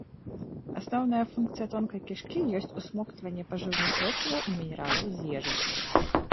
Асноўная функцыя тонкай кішкі ёсць усмоктванне пажыўных рэчываў і мінералаў з ежы.